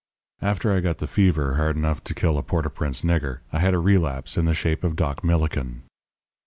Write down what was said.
"After I got the fever hard enough to kill a Port au Prince nigger, I had a relapse in the shape of Doc Millikin.